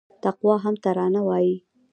تقوا هم ترانه وايي